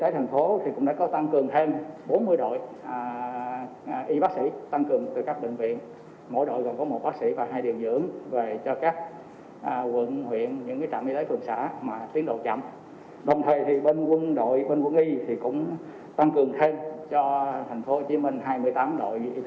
đồng thời bên quân đội bên quân y cũng tăng cường thêm cho thành phố hồ chí minh hai mươi tám đội y tế